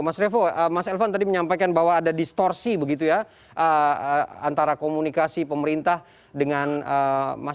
mas revo mas elvan tadi menyampaikan bahwa ada distorsi begitu ya antara komunikasi pemerintah dengan masyarakat